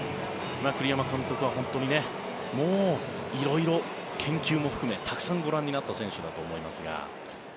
栗山監督は本当にもう色々、研究も含めたくさんご覧になった選手だと思いますが。